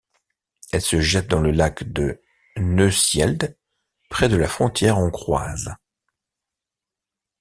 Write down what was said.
Elle se jette dans le lac de Neusiedl, près de la frontière hongroise.